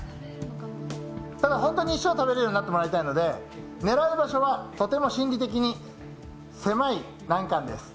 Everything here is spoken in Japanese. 本当に一生、食べられるようになってほしいので狙う場所はとても心理的に狭い難関です。